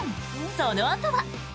そのあとは。